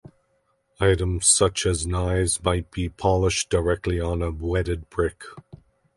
Items such as knives might be polished directly on a wetted brick.